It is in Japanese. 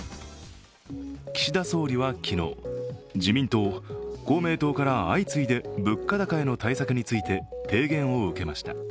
岸田総理は今日、自民党、公明党から相次いで物価高への対策について提言を受けました。